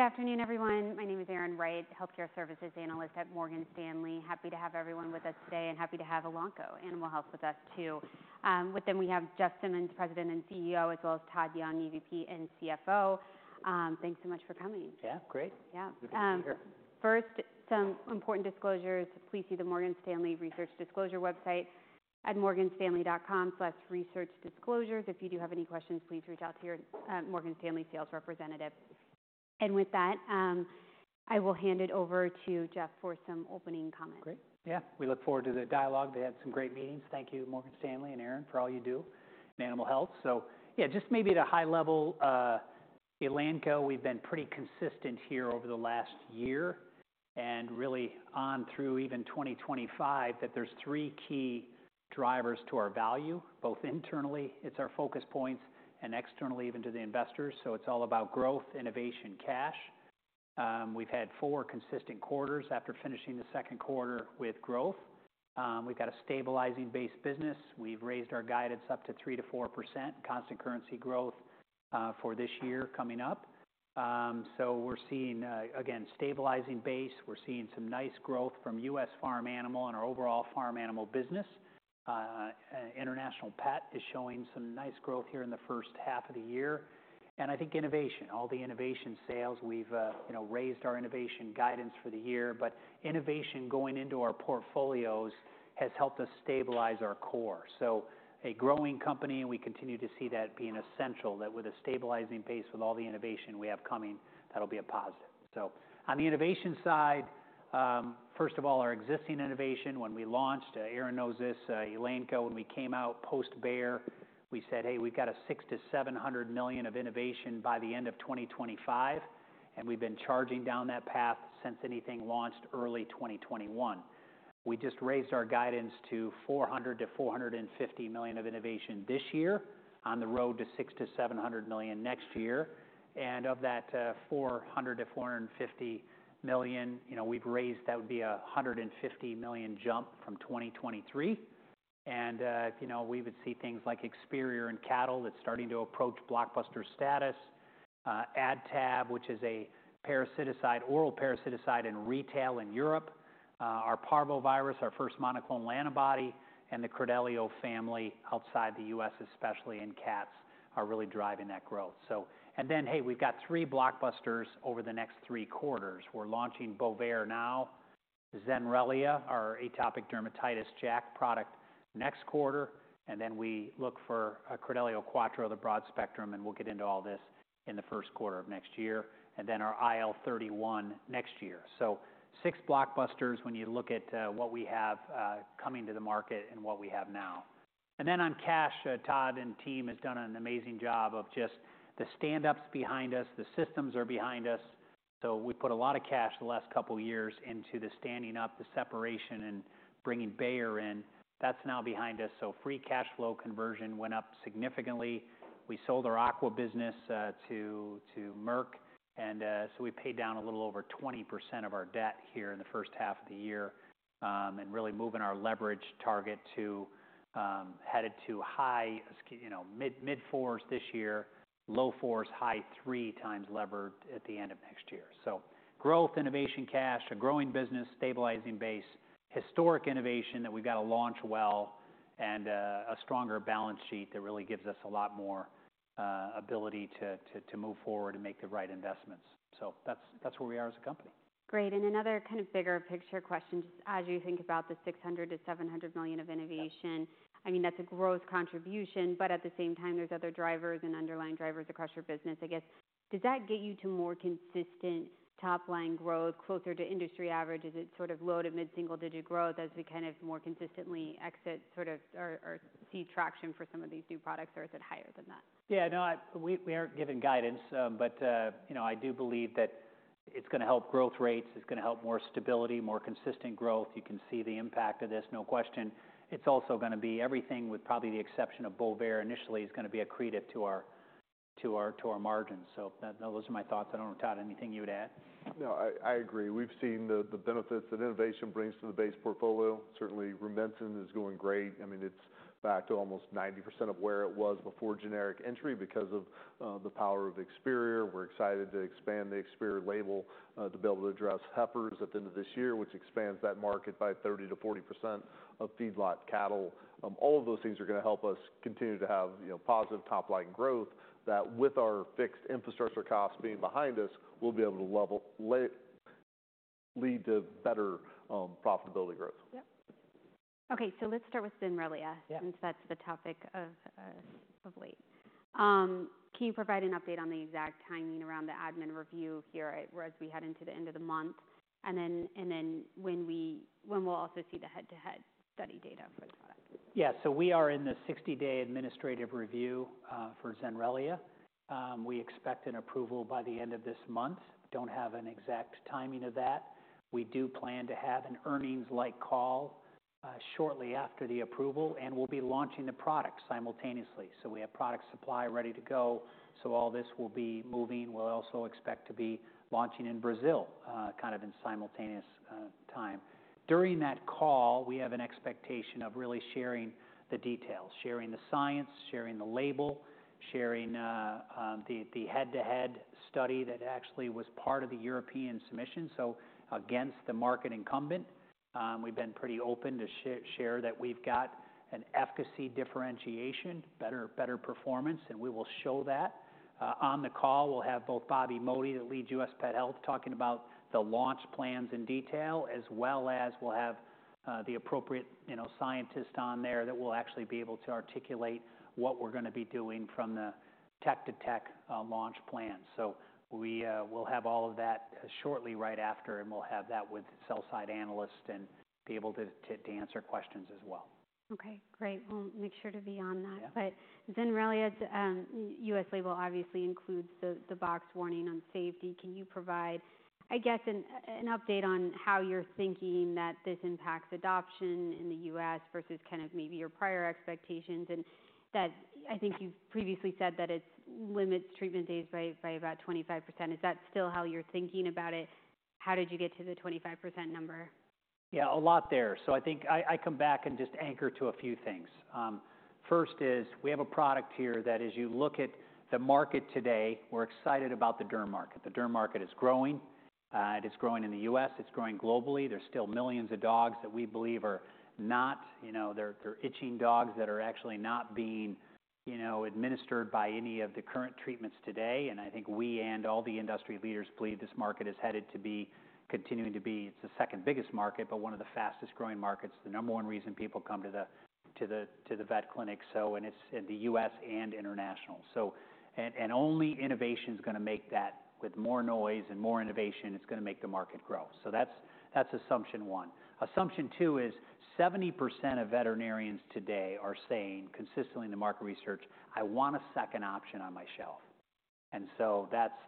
Good afternoon, everyone. My name is Erin Wright, Healthcare Services Analyst at Morgan Stanley. Happy to have everyone with us today, and happy to have Elanco Animal Health with us, too. With them, we have Jeff Simmons, President and CEO, as well as Todd Young, EVP and CFO. Thanks so much for coming. Yeah, great. Yeah. Good to be here. First, some important disclosures. Please see the Morgan Stanley Research Disclosure website at morganstanley.com/researchdisclosures. If you do have any questions, please reach out to your Morgan Stanley sales representative. And with that, I will hand it over to Jeff for some opening comments. Great. Yeah, we look forward to the dialogue. We had some great meetings. Thank you, Morgan Stanley and Erin, for all you do in animal health. So yeah, just maybe at a high level, Elanco, we've been pretty consistent here over the last year and really on through even twenty twenty-five, that there's three key drivers to our value, both internally, it's our focus points, and externally, even to the investors. So it's all about growth, innovation, cash. We've had four consistent quarters after finishing the second quarter with growth. We've got a stabilizing base business. We've raised our guidance up to 3%-4% constant currency growth for this year coming up. So we're seeing again, stabilizing base. We're seeing some nice growth from US farm animal and our overall farm animal business. International Pet is showing some nice growth here in the first half of the year, and I think innovation, all the innovation sales, we've, you know, raised our innovation guidance for the year, but innovation going into our portfolios has helped us stabilize our core, so a growing company, and we continue to see that being essential, that with a stabilizing base with all the innovation we have coming, that'll be a positive, so on the innovation side, first of all, our existing innovation, when we launched, Erin knows this, Elanco, when we came out post-Bayer, we said, "Hey, we've got a $600-$700 million of innovation by the end of 2025," and we've been charging down that path since anything launched early 2021. We just raised our guidance to $400-$450 million of innovation this year on the road to $600-$700 million next year. And of that, four hundred to four hundred and fifty million, you know, we've raised, that would be a $150 million jump from 2023. And, you know, we would see things like Experior in cattle that's starting to approach blockbuster status. AdTab, which is a parasiticide, oral parasiticide in retail in Europe. Our parvovirus, our first monoclonal antibody, and the Credelio family outside the US, especially in cats, are really driving that growth. So... And then, hey, we've got three blockbusters over the next three quarters. We're launching Bovaer now, Zenrelia, our atopic dermatitis JAK product, next quarter, and then we look for Credelio Quattro, the broad spectrum, and we'll get into all this in the first quarter of next year, and then our IL-31 next year. So six blockbusters when you look at what we have coming to the market and what we have now. And then on cash, Todd and team has done an amazing job of just the stand-ups behind us, the systems are behind us. So we put a lot of cash the last couple of years into the standing up, the separation, and bringing Bayer in. That's now behind us, so free cash flow conversion went up significantly. We sold our aqua business to Merck, and so we paid down a little over 20% of our debt here in the first half of the year. And really moving our leverage target to headed to high, you know, mid-fours this year, low fours, high threes times levered at the end of next year. So growth, innovation, cash, a growing business, stabilizing base, historic innovation that we've got to launch well, and a stronger balance sheet that really gives us a lot more ability to move forward and make the right investments. So that's where we are as a company. Great. And another kind of bigger picture question, just as you think about the $600 million-$700 million of innovation, I mean, that's a growth contribution, but at the same time, there's other drivers and underlying drivers across your business. I guess, does that get you to more consistent top-line growth, closer to industry average? Is it sort of low to mid-single digit growth as we kind of more consistently exit sort of, or see traction for some of these new products, or is it higher than that? Yeah, no, we aren't giving guidance, but you know, I do believe that it's going to help growth rates, it's going to help more stability, more consistent growth. You can see the impact of this, no question. It's also going to be everything, with probably the exception of Bovaer initially, is going to be accretive to our margins. So those are my thoughts. I don't know, Todd, anything you'd add? No, I agree. We've seen the benefits that innovation brings to the base portfolio. Certainly, Rumensin is going great. I mean, it's back to almost 90% of where it was before generic entry because of the power of Experior. We're excited to expand the Experior label to be able to address heifers at the end of this year, which expands that market by 30%-40% of feedlot cattle. All of those things are going to help us continue to have, you know, positive top-line growth, that with our fixed infrastructure costs being behind us, we'll be able to lead to better profitability growth. Yep. Okay, so let's start with Zenrelia. Yeah. Since that's the topic of late. Can you provide an update on the exact timing around the admin review here as we head into the end of the month? And then when we'll also see the head-to-head study data for the product? Yeah. So we are in the sixty-day administrative review for Zenrelia. We expect an approval by the end of this month. Don't have an exact timing of that. We do plan to have an earnings-like call shortly after the approval, and we'll be launching the product simultaneously. So we have product supply ready to go, so all this will be moving. We'll also expect to be launching in Brazil kind of in simultaneous time. During that call, we have an expectation of really sharing the details, sharing the science, sharing the label, sharing the head-to-head study that actually was part of the European submission. So against the market incumbent, we've been pretty open to share that we've got an efficacy differentiation, better performance, and we will show that. On the call, we'll have both Bobby Modi, that leads U.S. Pet Health, talking about the launch plans in detail, as well as we'll have the appropriate, you know, scientists on there that will actually be able to articulate what we're gonna be doing from the tech-to-tech launch plan. So we will have all of that shortly right after, and we'll have that with sell-side analysts and be able to answer questions as well. Okay, great. We'll make sure to be on that. Yeah. But then really, as U.S. label obviously includes the box warning on safety, can you provide, I guess, an update on how you're thinking that this impacts adoption in the U.S. versus kind of maybe your prior expectations? And that, I think you've previously said that it limits treatment days by about 25%. Is that still how you're thinking about it? How did you get to the 25% number? Yeah, a lot there. So I think I come back and just anchor to a few things. First is, we have a product here that as you look at the market today, we're excited about the derm market. The derm market is growing, it is growing in the US, it's growing globally. There's still millions of dogs that we believe are not, you know, they're itching dogs that are actually not being, you know, administered by any of the current treatments today. And I think we and all the industry leaders believe this market is headed to be continuing to be. It's the second biggest market, but one of the fastest-growing markets. The number one reason people come to the vet clinic, so and it's in the US and international. Only innovation is gonna make that with more noise and more innovation. It's gonna make the market grow. That's assumption one. Assumption two is 70% of veterinarians today are saying consistently in the market research, "I want a second option on my shelf."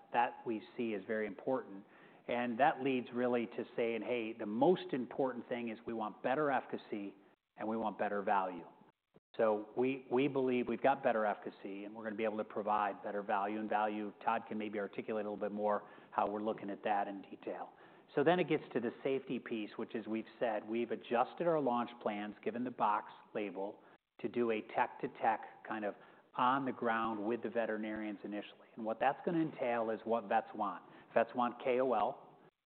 That we see is very important. That leads really to saying, "Hey, the most important thing is we want better efficacy and we want better value." We believe we've got better efficacy, and we're gonna be able to provide better value. Todd can maybe articulate a little bit more how we're looking at that in detail. It gets to the safety piece, which, as we've said, we've adjusted our launch plans, given the box warning, to do a vet-to-vet, kind of on the ground with the veterinarians initially. What that's gonna entail is what vets want. Vets want KOL.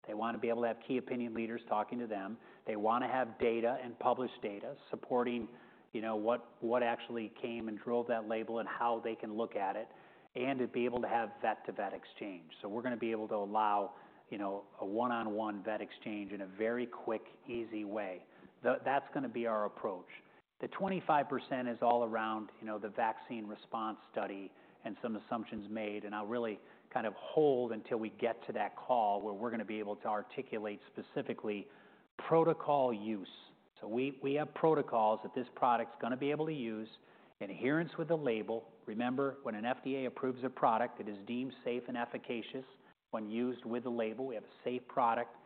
They want to be able to have key opinion leaders talking to them. They want to have data and published data supporting, you know, what actually came and drove that label and how they can look at it, and to be able to have vet-to-vet exchange. We're gonna be able to allow, you know, a one-on-one vet exchange in a very quick, easy way. That's gonna be our approach. The 25% is all around, you know, the vaccine response study and some assumptions made, and I'll really kind of hold until we get to that call, where we're gonna be able to articulate specifically protocol use. We have protocols that this product's gonna be able to use, adherence with the label. Remember, when an FDA approves a product, it is deemed safe and efficacious when used with the label. We have a safe product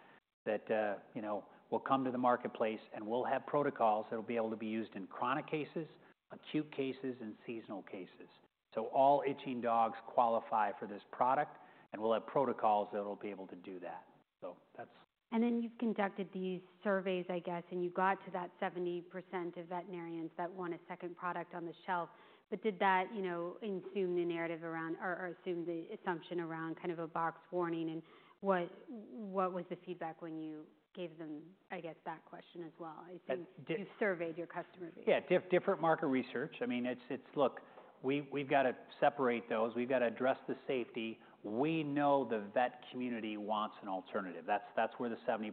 that, you know, will come to the marketplace, and we'll have protocols that will be able to be used in chronic cases, acute cases, and seasonal cases. So all itching dogs qualify for this product, and we'll have protocols that will be able to do that. So that's- And then you've conducted these surveys, I guess, and you got to that 70% of veterinarians that want a second product on the shelf. But did that, you know, assume the narrative around or, or assume the assumption around kind of a box warning? And what, what was the feedback when you gave them, I guess, that question as well? I think- That di- you've surveyed your customer base. Yeah, different market research. I mean, it's... Look, we've got to separate those. We've got to address the safety. We know the vet community wants an alternative. That's where the 70%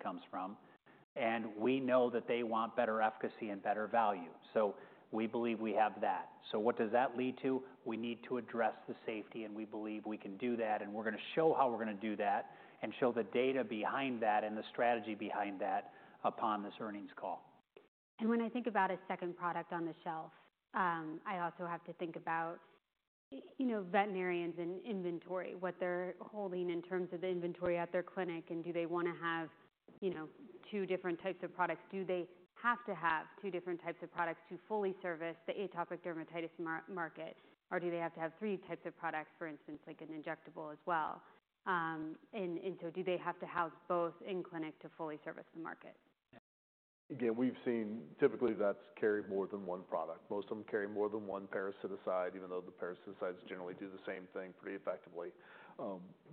comes from, and we know that they want better efficacy and better value. So we believe we have that. So what does that lead to? We need to address the safety, and we believe we can do that, and we're gonna show how we're gonna do that, and show the data behind that and the strategy behind that upon this earnings call. And when I think about a second product on the shelf, I also have to think about, you know, veterinarians and inventory, what they're holding in terms of the inventory at their clinic, and do they wanna have, you know, two different types of products? Do they have to have two different types of products to fully service the atopic dermatitis market, or do they have to have three types of products, for instance, like an injectable as well? And so do they have to have both in-clinic to fully service the market? Again, we've seen typically, vets carry more than one product. Most of them carry more than one parasiticide, even though the parasiticides generally do the same thing pretty effectively.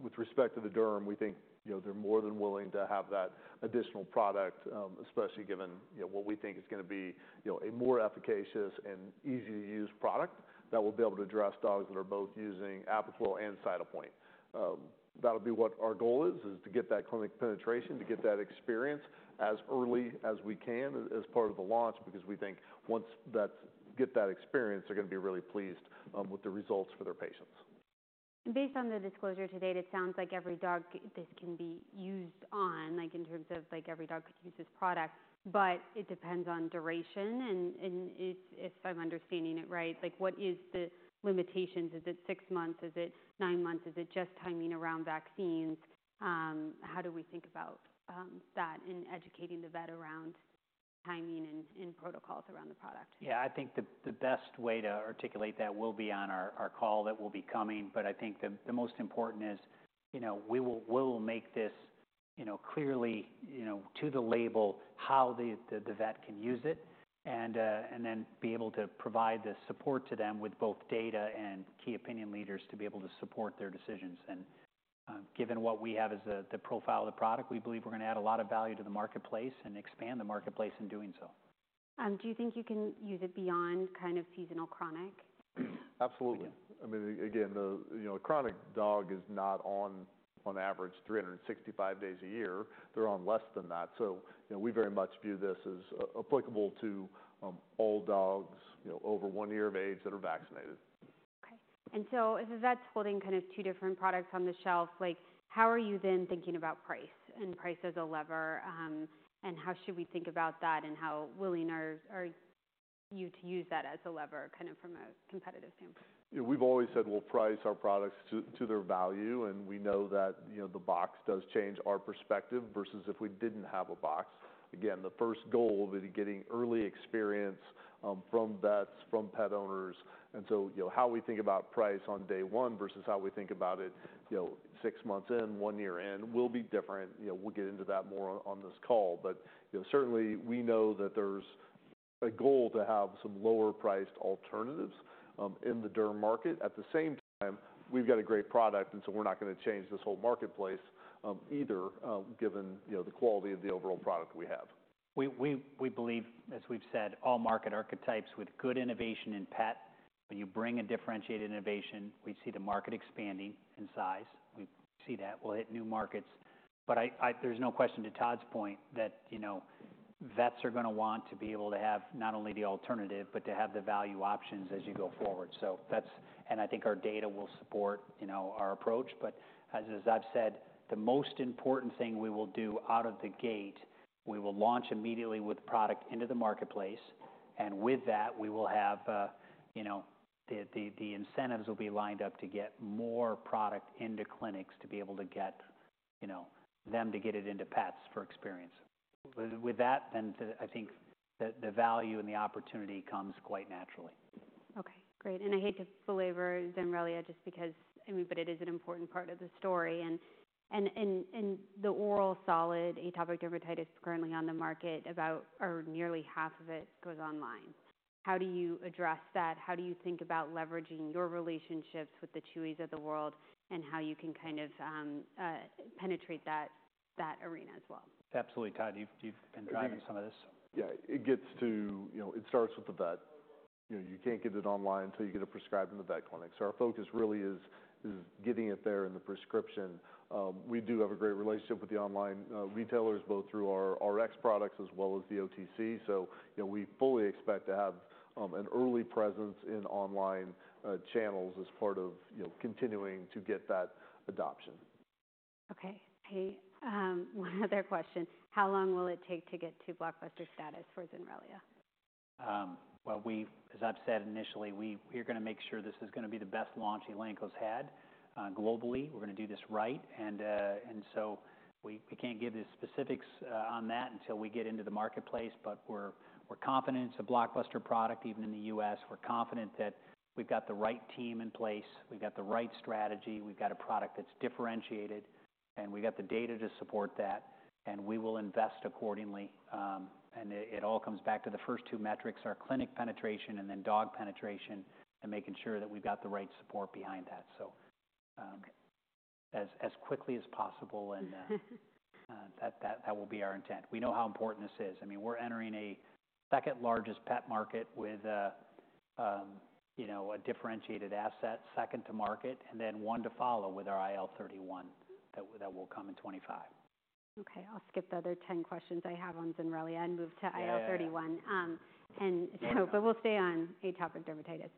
With respect to the derm, we think, you know, they're more than willing to have that additional product, especially given, you know, what we think is gonna be, you know, a more efficacious and easy-to-use product that will be able to address dogs that are both using Apoquel and Cytopoint. That'll be what our goal is, to get that clinic penetration, to get that experience as early as we can as part of the launch, because we think once that's get that experience, they're gonna be really pleased with the results for their patients. Based on the disclosure to date, it sounds like every dog this can be used on, like in terms of like every dog could use this product, but it depends on duration, and if I'm understanding it right. Like, what is the limitations? Is it six months? Is it nine months? Is it just timing around vaccines? How do we think about that in educating the vet around timing and protocols around the product? Yeah, I think the best way to articulate that will be on our call that will be coming. But I think the most important is, you know, we will make this clearly, you know, to the label, how the vet can use it, and then be able to provide the support to them with both data and key opinion leaders to be able to support their decisions. And, given what we have as the profile of the product, we believe we're going to add a lot of value to the marketplace and expand the marketplace in doing so. Do you think you can use it beyond kind of seasonal chronic? Absolutely. I mean, again, you know, a chronic dog is not on average 365 days a year. They're on less than that. So, you know, we very much view this as applicable to all dogs, you know, over one year of age that are vaccinated. Okay. And so if the vet's holding kind of two different products on the shelf, like, how are you then thinking about price and price as a lever? And how should we think about that, and how willing are you to use that as a lever, kind of from a competitive standpoint? Yeah, we've always said we'll price our products to their value, and we know that, you know, the box does change our perspective versus if we didn't have a box. Again, the first goal is getting early experience from vets, from pet owners. And so, you know, how we think about price on day one versus how we think about it, you know, six months in, one year in, will be different. You know, we'll get into that more on this call. But, you know, certainly, we know that there's a goal to have some lower-priced alternatives in the derm market. At the same time, we've got a great product, and so we're not going to change this whole marketplace either, given, you know, the quality of the overall product we have. We believe, as we've said, all market archetypes with good innovation in pet, when you bring a differentiated innovation, we see the market expanding in size. We see that. We'll hit new markets. But there's no question to Todd's point that, you know, vets are going to want to be able to have not only the alternative, but to have the value options as you go forward. So that's... And I think our data will support, you know, our approach. But as I've said, the most important thing we will do out of the gate, we will launch immediately with product into the marketplace, and with that, we will have, you know, the incentives will be lined up to get more product into clinics to be able to get, you know, them to get it into pets for experience. With that, then, too, I think the value and the opportunity comes quite naturally. Okay, great, and I hate to belabor Zenrelia just because, I mean, but it is an important part of the story, and the oral solid atopic dermatitis currently on the market, about or nearly half of it goes online. How do you address that? How do you think about leveraging your relationships with the Chewy's of the world, and how you can kind of penetrate that arena as well? Absolutely. Todd, you've been driving some of this. Yeah, it gets to, you know, it starts with the vet. You know, you can't get it online until you get it prescribed in the vet clinic. So our focus really is getting it there in the prescription. We do have a great relationship with the online retailers, both through our Rx products as well as the OTC. So, you know, we fully expect to have an early presence in online channels as part of, you know, continuing to get that adoption. Okay. One other question: How long will it take to get to blockbuster status for Zenrelia? As I've said initially, we're going to make sure this is going to be the best launch Elanco's had globally. We're going to do this right, and so we can't give you specifics on that until we get into the marketplace, but we're confident it's a blockbuster product, even in the U.S. We're confident that we've got the right team in place, we've got the right strategy, we've got a product that's differentiated, and we've got the data to support that, and we will invest accordingly, and it all comes back to the first two metrics, our clinic penetration and then dog penetration, and making sure that we've got the right support behind that. Okay... as quickly as possible, and that will be our intent. We know how important this is. I mean, we're entering a second-largest pet market with a, you know, a differentiated asset, second to market, and then one to follow with our IL-31 that will come in twenty-five. Okay, I'll skip the other 10 questions I have on Zenrelia and move to IL-31. Yeah. and so- Yeah... but we'll stay on atopic dermatitis.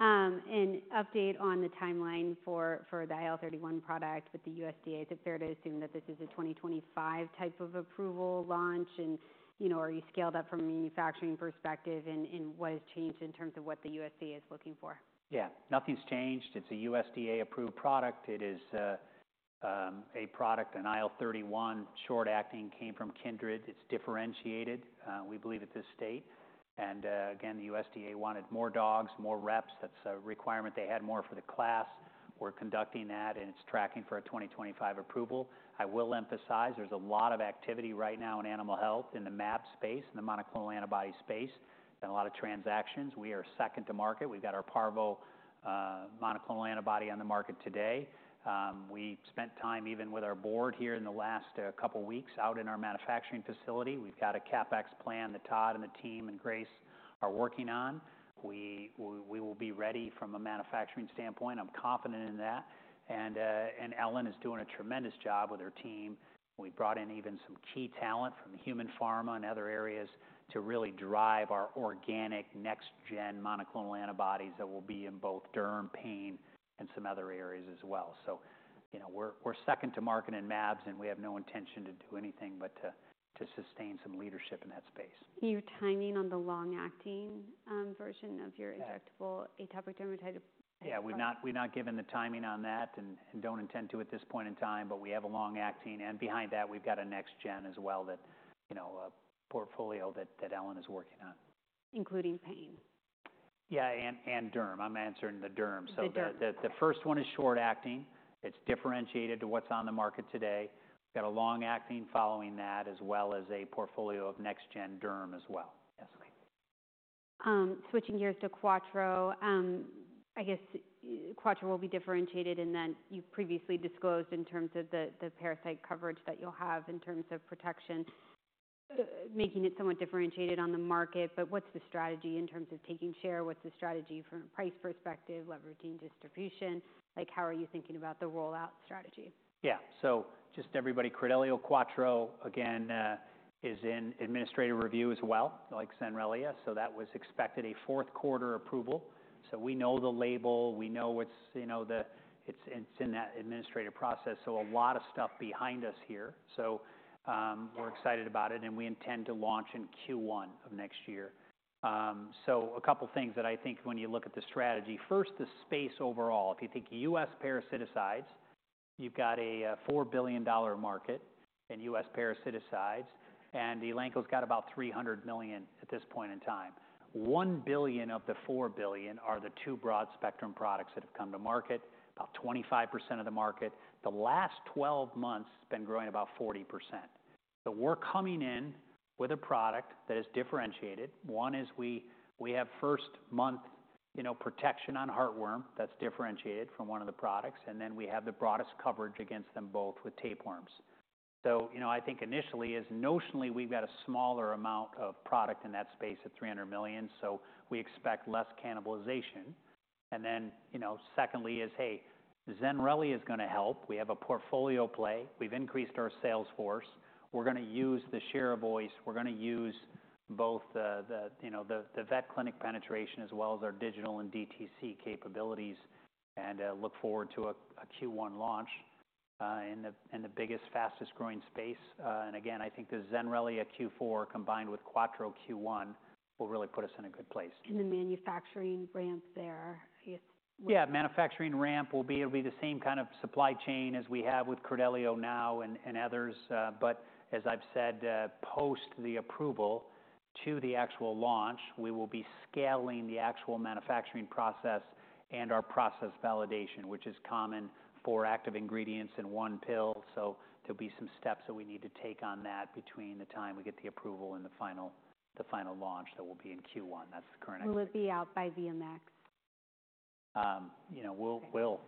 And update on the timeline for the IL-31 product with the USDA. Is it fair to assume that this is a twenty twenty-five type of approval launch? And, you know, are you scaled up from a manufacturing perspective, and what has changed in terms of what the USDA is looking for? Yeah, nothing's changed. It's a USDA-approved product. It is a product, an IL-31 short-acting, came from Kindred. It's differentiated, we believe, at this stage. Again, the USDA wanted more dogs, more reps. That's a requirement. They had more for the class. We're conducting that, and it's tracking for a 2025 approval. I will emphasize there's a lot of activity right now in animal health, in the mAb space, in the monoclonal antibody space, and a lot of transactions. We are second to market. We've got our parvo monoclonal antibody on the market today. We spent time even with our board here in the last couple weeks out in our manufacturing facility. We've got a CapEx plan that Todd and the team and Grace are working on. We will be ready from a manufacturing standpoint. I'm confident in that. And Ellen is doing a tremendous job with her team. We brought in even some key talent from human pharma and other areas to really drive our organic next-gen monoclonal antibodies that will be in both derm, pain, and some other areas as well. So, you know, we're second to market in Mabs, and we have no intention to do anything but to sustain some leadership in that space. Your timing on the long-acting version of your- Yeah... injectable atopic dermatitis. Yeah, we've not given the timing on that and don't intend to at this point in time, but we have a long-acting, and behind that, we've got a next-gen as well that, you know, a portfolio that Ellen is working on. Including pain? ... Yeah, and derm. I'm answering the derm. The derm. The first one is short acting. It's differentiated to what's on the market today. Got a long-acting following that, as well as a portfolio of next-gen derm as well. Yes, please. Switching gears to Quattro. I guess, Quattro will be differentiated, and then you've previously disclosed in terms of the parasite coverage that you'll have in terms of protection, making it somewhat differentiated on the market. But what's the strategy in terms of taking share? What's the strategy from a price perspective, leveraging distribution? Like, how are you thinking about the rollout strategy? Yeah. So just everybody, Credelio Quattro, again, is in administrative review as well, like Zenrelia. So that was expected a fourth quarter approval. So we know the label. We know it's, you know, the it's in that administrative process, so a lot of stuff behind us here. So we're excited about it, and we intend to launch in Q1 of next year. So a couple of things that I think when you look at the strategy, first, the space overall. If you think US parasiticides, you've got a $4 billion market in US parasiticides, and Elanco's got about $300 million at this point in time. $1 billion of the $4 billion are the two broad-spectrum products that have come to market, about 25% of the market. The last twelve months has been growing about 40%. So we're coming in with a product that is differentiated. One is we have first month, you know, protection on heartworm that's differentiated from one of the products, and then we have the broadest coverage against them both with tapeworms. So, you know, I think initially, notionally, we've got a smaller amount of product in that space at $300 million, so we expect less cannibalization. And then, you know, secondly is, hey, Zenrelia is going to help. We have a portfolio play. We've increased our sales force. We're going to use the share of voice, we're going to use both the, the, you know, the vet clinic penetration as well as our digital and DTC capabilities, and look forward to a Q1 launch in the biggest, fastest growing space. And again, I think the Zenrelia at Q4, combined with Quattro Q1, will really put us in a good place. And the manufacturing ramps there, it's- Yeah, manufacturing ramp will be, it'll be the same kind of supply chain as we have with Credelio now and others, but as I've said, post the approval to the actual launch, we will be scaling the actual manufacturing process and our process validation, which is common for active ingredients in one pill, so there'll be some steps that we need to take on that between the time we get the approval and the final launch that will be in Q1. That's the current- Will it be out by VMX? You know, we'll- Okay...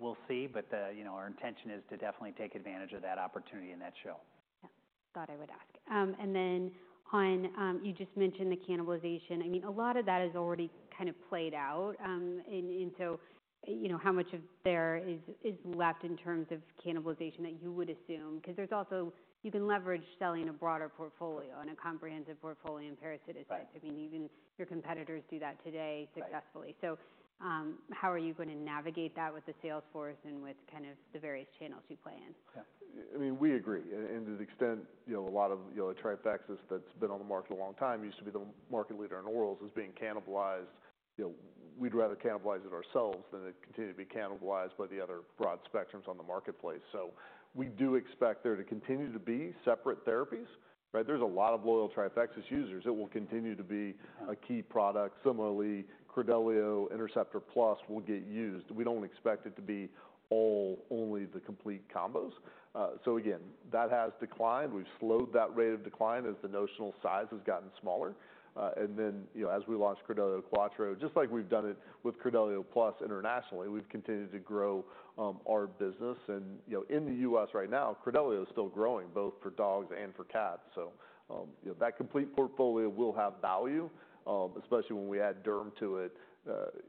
we'll see, but, you know, our intention is to definitely take advantage of that opportunity in that show. Yeah. Thought I would ask. And then on, you just mentioned the cannibalization. I mean, a lot of that is already kind of played out. And so, you know, how much of there is left in terms of cannibalization that you would assume? Because there's also... You can leverage selling a broader portfolio and a comprehensive portfolio in parasiticides. Right. I mean, even your competitors do that today. Right... successfully. So, how are you going to navigate that with the sales force and with kind of the various channels you play in? Yeah. I mean, we agree, and to the extent, you know, a lot of, you know, Trifexis that's been on the market a long time, used to be the market leader in orals, is being cannibalized. You know, we'd rather cannibalize it ourselves than it continue to be cannibalized by the other broad spectrums on the marketplace, so we do expect there to continue to be separate therapies, right? There's a lot of loyal Trifexis users. It will continue to be a key product. Similarly, Credelio, Interceptor Plus will get used. We don't expect it to be all, only the complete combos, so again, that has declined. We've slowed that rate of decline as the notional size has gotten smaller, and then, you know, as we launch Credelio Quattro, just like we've done it with Credelio Plus internationally, we've continued to grow our business. You know, in the U.S. right now, Credelio is still growing, both for dogs and for cats. So, you know, that complete portfolio will have value, especially when we add derm to it.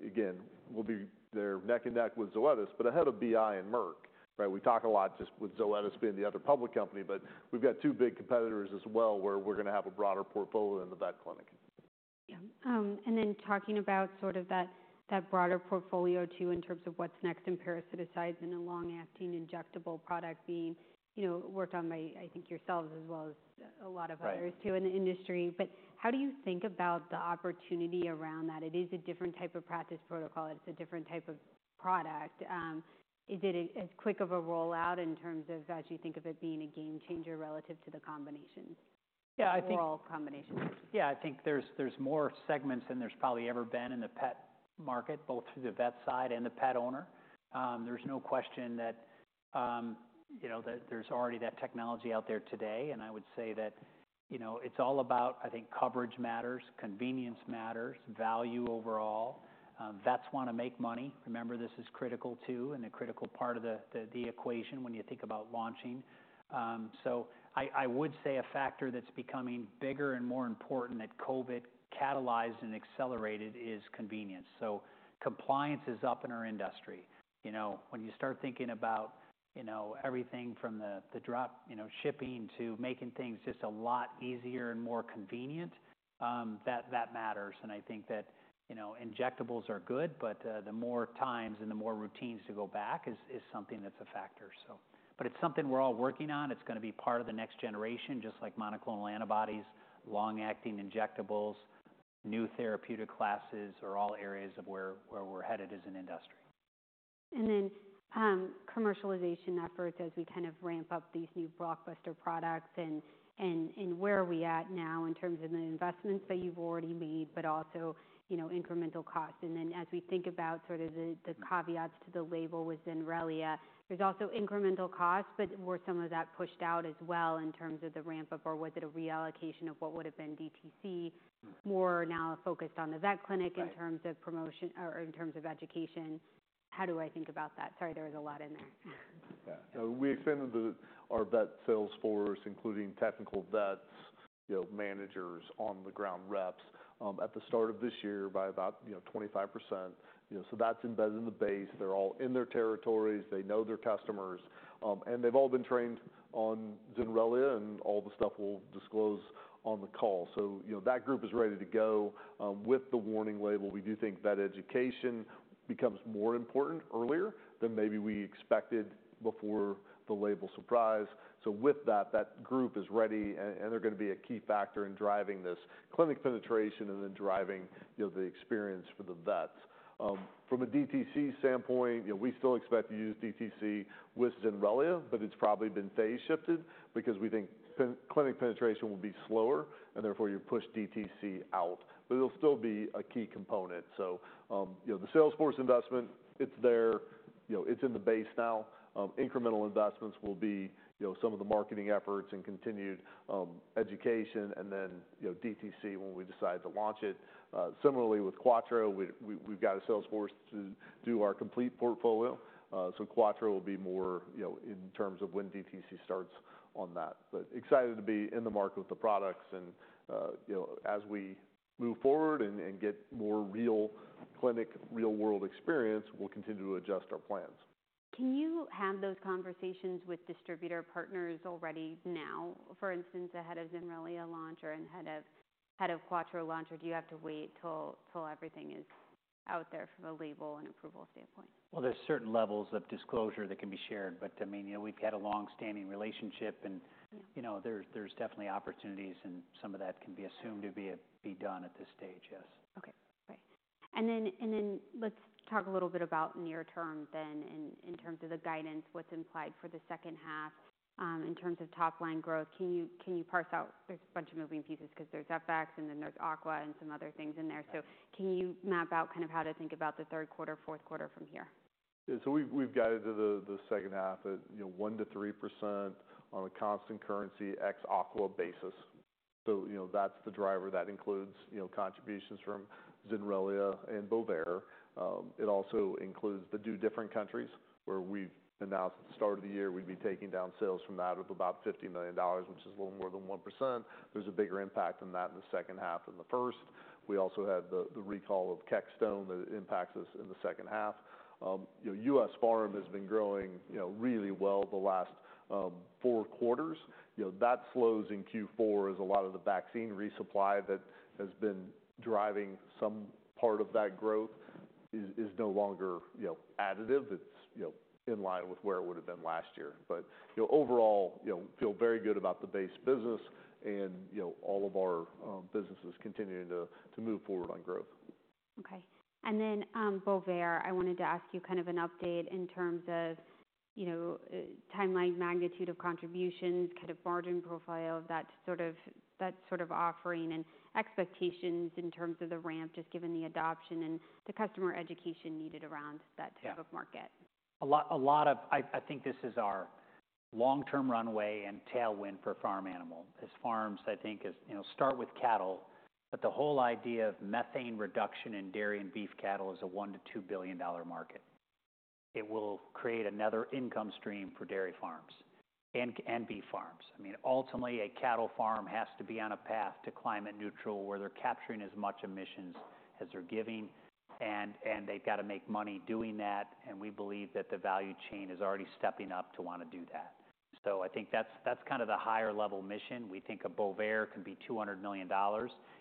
Again, we'll be there neck and neck with Zoetis, but ahead of BI and Merck, right? We talk a lot just with Zoetis being the other public company, but we've got two big competitors as well, where we're going to have a broader portfolio in the vet clinic. Yeah, and then talking about sort of that broader portfolio, too, in terms of what's next in parasiticides and a long-acting injectable product being, you know, worked on by, I think, yourselves as well as a lot of others- Right... too, in the industry. But how do you think about the opportunity around that? It is a different type of practice protocol. It's a different type of product. Is it as quick of a rollout in terms of as you think of it being a game changer relative to the combinations? Yeah, I think- Overall combinations. Yeah, I think there's more segments than there's probably ever been in the pet market, both through the vet side and the pet owner. There's no question that, you know, that there's already that technology out there today, and I would say that, you know, it's all about, I think coverage matters, convenience matters, value overall. Vets want to make money. Remember, this is critical too, and a critical part of the equation when you think about launching. So I would say a factor that's becoming bigger and more important that COVID catalyzed and accelerated is convenience. So compliance is up in our industry. You know, when you start thinking about, you know, everything from the drop shipping to making things just a lot easier and more convenient, that matters. I think that, you know, injectables are good, but the more times and the more routines to go back is something that's a factor. But it's something we're all working on. It's going to be part of the next generation, just like monoclonal antibodies, long-acting injectables, new therapeutic classes are all areas of where we're headed as an industry.... And then, commercialization efforts as we kind of ramp up these new blockbuster products and where are we at now in terms of the investments that you've already made, but also, you know, incremental costs? And then as we think about sort of the caveats to the label with Zenrelia, there's also incremental costs, but were some of that pushed out as well in terms of the ramp-up, or was it a reallocation of what would've been DTC, more now focused on the vet clinic- Right In terms of promotion or in terms of education? How do I think about that? Sorry, there was a lot in there. Yeah. So we expanded our vet sales force, including technical vets, you know, managers on the ground reps, at the start of this year by about, you know, 25%. You know, so that's embedded in the base. They're all in their territories. They know their customers, and they've all been trained on Zenrelia, and all the stuff we'll disclose on the call. So, you know, that group is ready to go. With the warning label, we do think that education becomes more important earlier than maybe we expected before the label surprise. So with that, that group is ready, and they're gonna be a key factor in driving this clinic penetration and then driving, you know, the experience for the vets. From a DTC standpoint, you know, we still expect to use DTC with Zenrelia, but it's probably been phase shifted because we think in-clinic penetration will be slower, and therefore, you push DTC out. But it'll still be a key component. You know, the sales force investment, it's there, you know, it's in the base now. Incremental investments will be, you know, some of the marketing efforts and continued education and then, you know, DTC, when we decide to launch it. Similarly, with Quattro, we've got a sales force to do our complete portfolio. So Quattro will be more, you know, in terms of when DTC starts on that. But excited to be in the market with the products and, you know, as we move forward and get more real clinical, real-world experience, we'll continue to adjust our plans. Can you have those conversations with distributor partners already now, for instance, ahead of Zenrelia launch or ahead of Quattro launch, or do you have to wait till everything is out there from a label and approval standpoint? There's certain levels of disclosure that can be shared, but I mean, you know, we've had a long-standing relationship, and- Yeah... you know, there's definitely opportunities, and some of that can be assumed to be done at this stage, yes. Okay, great. And then let's talk a little bit about near term then, in terms of the guidance, what's implied for the second half. In terms of top-line growth, can you parse out? There's a bunch of moving pieces 'cause there's FX, and then there's Aqua and some other things in there. Right. So can you map out kind of how to think about the third quarter, fourth quarter from here? Yeah, so we've guided the second half at, you know, 1-3% on a constant currency ex Aqua basis. So, you know, that's the driver. That includes, you know, contributions from Zenrelia and Bovaer. It also includes the two different countries, where we've announced at the start of the year, we'd be taking down sales from that of about $50 million, which is a little more than 1%. There's a bigger impact on that in the second half than the first. We also had the recall of Kextone that impacts us in the second half. You know, U.S. farm has been growing, you know, really well the last four quarters. You know, that slows in Q4 as a lot of the vaccine resupply that has been driving some part of that growth is no longer, you know, additive. It's, you know, in line with where it would've been last year. But, you know, overall, you know, feel very good about the base business and, you know, all of our businesses continuing to move forward on growth. Okay. And then, Bovaer, I wanted to ask you kind of an update in terms of, you know, timeline, magnitude of contributions, kind of margin profile of that sort of offering, and expectations in terms of the ramp, just given the adoption and the customer education needed around that? Yeah type of market. A lot of... I think this is our long-term runway and tailwind for farm animal. As farms, I think, as you know, start with cattle, but the whole idea of methane reduction in dairy and beef cattle is a $1-$2 billion market. It will create another income stream for dairy farms and beef farms. I mean, ultimately, a cattle farm has to be on a path to climate neutral, where they're capturing as much emissions as they're giving, and they've got to make money doing that, and we believe that the value chain is already stepping up to want to do that. So I think that's kind of the higher level mission. We think Bovaer can be $200 million,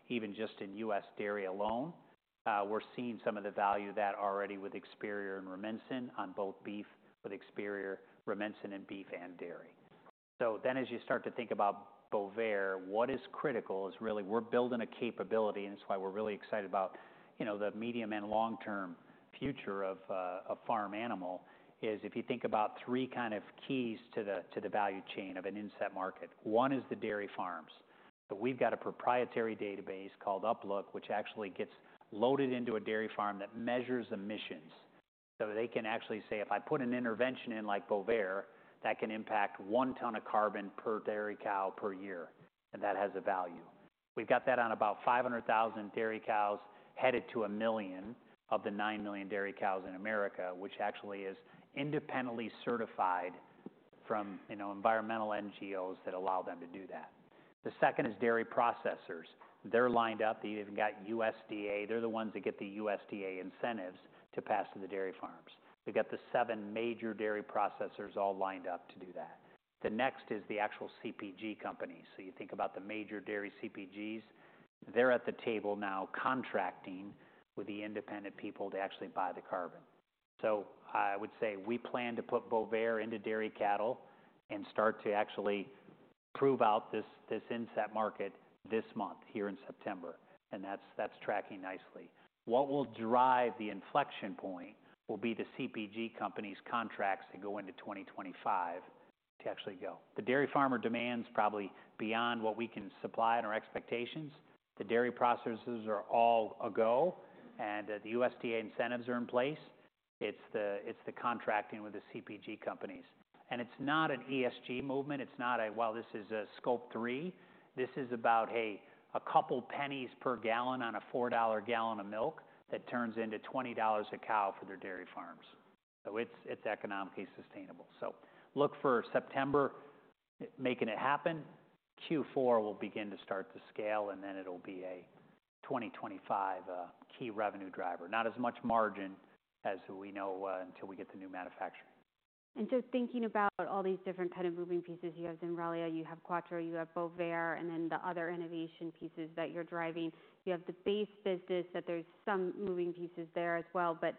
even just in US dairy alone. We're seeing some of the value of that already with Experior and Rumensin on both beef, with Experior, Rumensin, and beef and dairy. So then, as you start to think about Bovaer, what is critical is really we're building a capability, and that's why we're really excited about, you know, the medium and long-term future of a farm animal, is if you think about three kind of keys to the value chain of an inset market. One is the dairy farms. So we've got a proprietary database called UpLook, which actually gets loaded into a dairy farm that measures emissions. They can actually say, "If I put an intervention in, like Bovaer, that can impact one ton of carbon per dairy cow per year, and that has a value." We've got that on about 500,000 dairy cows, headed to a million, of the 9 million dairy cows in America, which actually is independently certified from, you know, environmental NGOs that allow them to do that. The second is dairy processors. They're lined up. They even got USDA. They're the ones that get the USDA incentives to pass to the dairy farms. We've got the seven major dairy processors all lined up to do that. The next is the actual CPG company. So you think about the major dairy CPGs, they're at the table now, contracting with the independent people to actually buy the carbon. So I would say we plan to put Bovaer into dairy cattle and start to prove out this inset market this month, here in September, and that's tracking nicely. What will drive the inflection point will be the CPG company's contracts that go into 2025 to actually go. The dairy farmer demand's probably beyond what we can supply and our expectations. The dairy processors are all a go, and the USDA incentives are in place. It's the contracting with the CPG companies. And it's not an ESG movement. It's not a, "Well, this is a Scope 3." This is about, hey, a couple pennies per gallon on a $4 gallon of milk that turns into $20 a cow for their dairy farms. So it's economically sustainable. So look for September, making it happen. Q4 will begin to start to scale, and then it'll be a 2025 key revenue driver. Not as much margin as we know, until we get the new manufacturing. And so thinking about all these different kind of moving pieces, you have Zenrelia, you have Quattro, you have Bovaer, and then the other innovation pieces that you're driving. You have the base business, that there's some moving pieces there as well. But,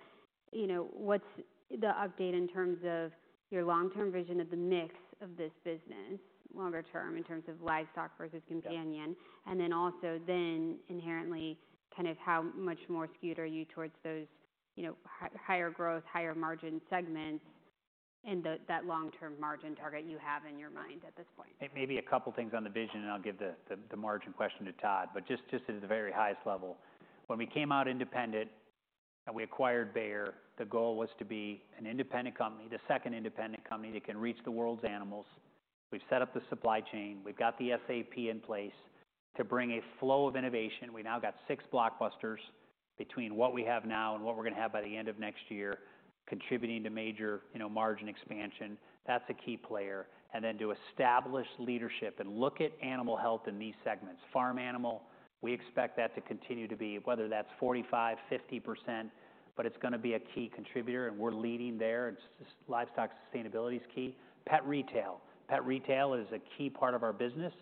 you know, what's the update in terms of your long-term vision of the mix of this business, longer term, in terms of livestock versus companion? Yeah. Inherently, kind of how much more skewed are you towards those, you know, higher growth, higher margin segments and that long-term margin target you have in your mind at this point? Maybe a couple things on the vision, and I'll give the margin question to Todd. But just at the very highest level, when we came out independent and we acquired Bayer, the goal was to be an independent company, the second independent company that can reach the world's animals. We've set up the supply chain. We've got the SAP in place to bring a flow of innovation. We now got six blockbusters between what we have now and what we're going to have by the end of next year, contributing to major, you know, margin expansion. That's a key player. And then to establish leadership and look at animal health in these segments. Farm Animal, we expect that to continue to be... whether that's 45-50%, but it's going to be a key contributor, and we're leading there, and livestock sustainability is key. Pet retail. Pet retail is a key part of our business,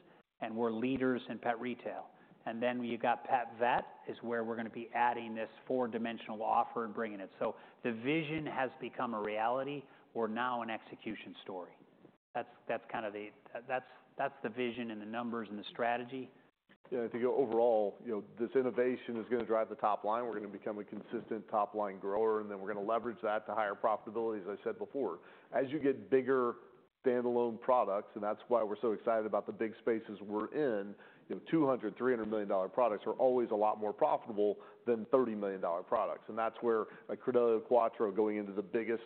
and we're leaders in pet retail. And then you've got PetVet, is where we're going to be adding this four-dimensional offer and bringing it. So the vision has become a reality. We're now an execution story. That's, that's kind of the. That's, that's the vision and the numbers and the strategy. Yeah, I think overall, you know, this innovation is going to drive the top line. We're going to become a consistent top-line grower, and then we're going to leverage that to higher profitability, as I said before. As you get bigger standalone products, and that's why we're so excited about the big spaces we're in, you know, $200-$300 million products are always a lot more profitable than $30 million products. And that's where, like, Credelio Quattro, going into the biggest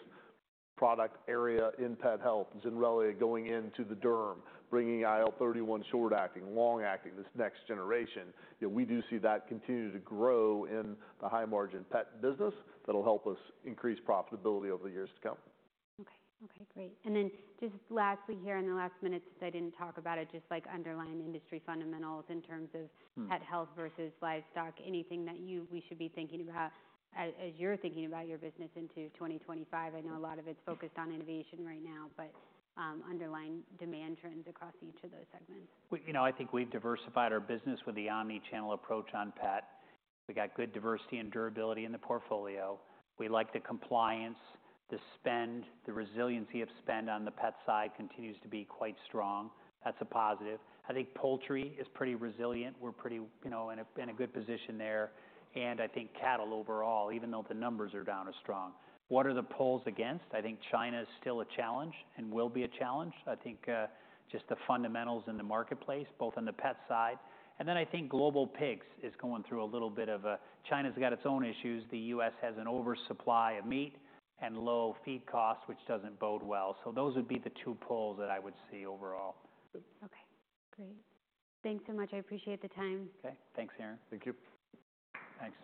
product area in pet health, Zenrelia going into the derm, bringing IL-31, short acting, long acting, this next generation. You know, we do see that continue to grow in the high-margin pet business. That'll help us increase profitability over the years to come. Okay. Okay, great. And then just lastly here in the last minute, since I didn't talk about it, just like underlying industry fundamentals in terms of- Mm-hmm... pet health versus livestock, anything that we should be thinking about as you're thinking about your business into 2025? I know a lot of it's focused on innovation right now, but underlying demand trends across each of those segments. You know, I think we've diversified our business with the omni-channel approach on pet. We've got good diversity and durability in the portfolio. We like the compliance, the spend. The resiliency of spend on the pet side continues to be quite strong. That's a positive. I think poultry is pretty resilient. We're pretty, you know, in a good position there. I think cattle, overall, even though the numbers are down, are strong. What are the pulls against? I think China is still a challenge and will be a challenge. I think, just the fundamentals in the marketplace, both on the pet side, and then I think global pigs is going through a little bit of a... China's got its own issues. The U.S. has an oversupply of meat and low feed costs, which doesn't bode well. So those would be the two pulls that I would see overall. Okay, great. Thanks so much. I appreciate the time. Okay. Thanks, Erin. Thank you. Thanks.